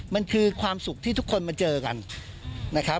มันคือความสุขที่ทุกคนมาเจอกันนะครับ